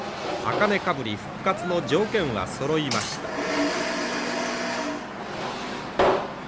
茜かぶり復活の条件はそろいました。